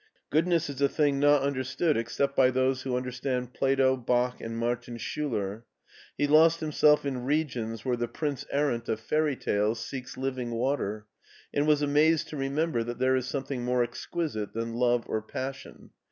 Goodness is a thing not understood except by those who understand Plato, Bach, and Martin Schtiler. , He lost himself in regions where the Prince Errant of fairy tales seeks living water, and was amazed to remember that there is something more exquisite than love or passion.